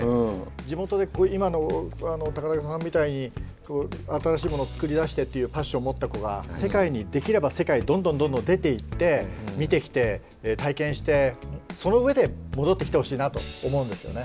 地元で今の高田さんみたいに新しいものを作り出してっていうパッションを持った子が世界にできれば世界にどんどんどんどん出ていって見てきて体験してその上で戻ってきてほしいなあと思うんですよね。